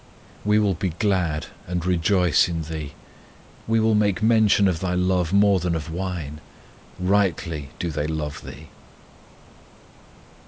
We will be glad and rejoice in Thee, We will make mention of Thy love more than of wine: Rightly do they love Thee.